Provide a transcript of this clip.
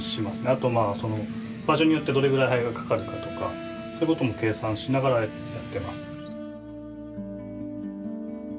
あと場所によってどれぐらい灰がかかるかとかそういうことも計算しながらやってます。